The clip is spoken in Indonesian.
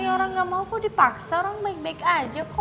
orang gak mau kok dipaksa orang baik baik aja kok